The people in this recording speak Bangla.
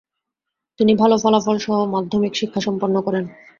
তিনি ভাল ফলাফলসহ মাধযমিক শিক্ষাসম্পন্ন করেন।